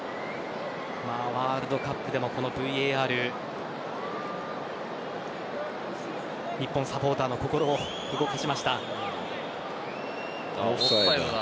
ワールドカップでもこのＶＡＲ日本サポーターの心を動かしました。